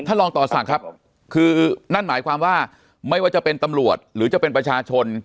รองต่อศักดิ์ครับคือนั่นหมายความว่าไม่ว่าจะเป็นตำรวจหรือจะเป็นประชาชน